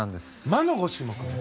魔の５種目目？